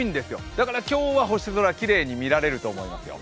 だから今日は星空、きれいに見られると思いますよ。